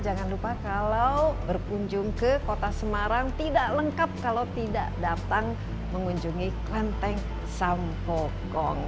jangan lupa kalau berkunjung ke kota semarang tidak lengkap kalau tidak datang mengunjungi klenteng sampokong